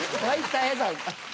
はい。